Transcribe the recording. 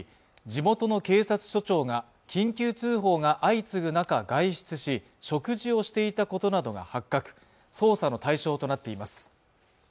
地元の警察署長が緊急通報が相次ぐ中外出し食事をしていたことなどが発覚捜査の対象となっています